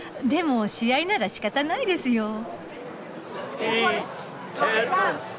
でも試合ならしかたないですよ。